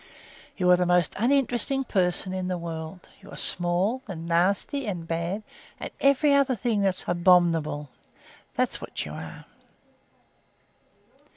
You are the most uninteresting person in the world. You are small and nasty and bad, and every other thing that's abominable. That's what you are."